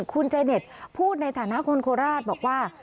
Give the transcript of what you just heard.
คุณเจเน็ตพูดในฐานะคนโคราชบอกว่า